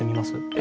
え？